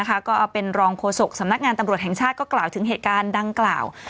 ก็เป็นรองโฆษกสำนักงานตำรวจแห่งชาติก็กล่าวถึงเหตุการณ์ดังกล่าว